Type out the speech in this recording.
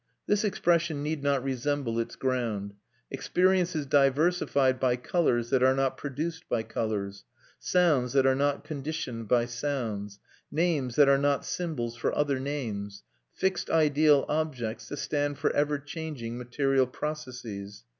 This expression need not resemble its ground. Experience is diversified by colours that are not produced by colours, sounds that are not conditioned by sounds, names that are not symbols for other names, fixed ideal objects that stand for ever changing material processes.